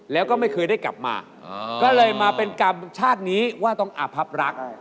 แล้วก็ไม่เคยได้กลับมาก็เลยมาเป็นกรรมชาตินี้ว่าต้องอภับรัก